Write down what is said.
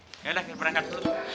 ya jing yaudah kita perangkat dulu